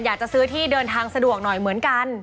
อยากจะซื้อที่เดินทางสะดวกหน่อยเหมือนกัน